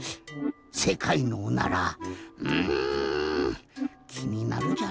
せかいのおならうんきになるじゃろう？